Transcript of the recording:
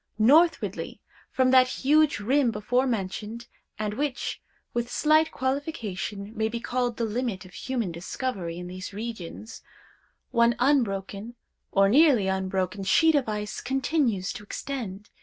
Northwardly from that huge rim before mentioned, and which, with slight qualification, may be called the limit of human discovery in these regions, one unbroken, or nearly unbroken, sheet of ice continues to extend.